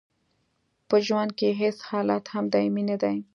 په ژوند کې هیڅ حالت هم دایمي نه دی.